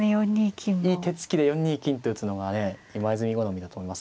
いい手つきで４二金って打つのがね今泉好みだと思います。